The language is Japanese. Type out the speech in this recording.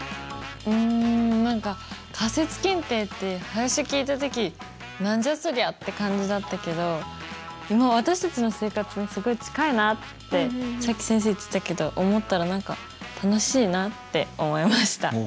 うん何か仮説検定って最初聞いた時何じゃそりゃって感じだったけどでも私たちの生活にすごい近いなってさっき先生言ってたけど思ったら何か楽しいなって思いました。